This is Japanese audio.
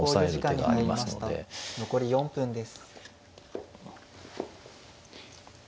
残り４分です。